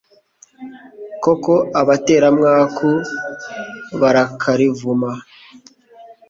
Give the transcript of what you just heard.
koko abateramwaku barakarivuma